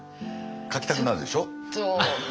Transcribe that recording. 当然描きたくなるでしょ？